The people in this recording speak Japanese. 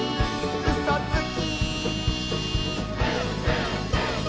「うそつき！」